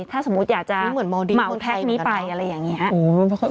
ถ้าสมมุติอยากจะมองแท็กนี้ไปอะไรอย่างนี้